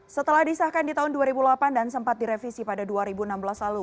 setelah disahkan di tahun dua ribu delapan dan sempat direvisi pada dua ribu enam belas lalu